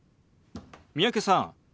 三宅さん